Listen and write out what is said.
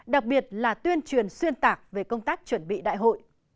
đặc biệt là tuyên truyền xuyên tạc về công tác chuẩn bị đại hội